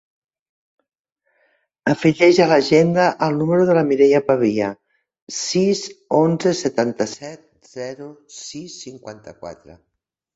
Afegeix a l'agenda el número de la Mireia Pavia: sis, onze, setanta-set, zero, sis, cinquanta-quatre.